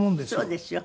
そうですよ。